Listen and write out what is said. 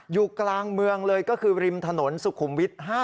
อยู่กลางเมืองเลยก็คือริมถนนสุขุมวิทย์๕